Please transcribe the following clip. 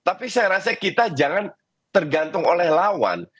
tapi saya rasa kita jangan tergantung oleh lawan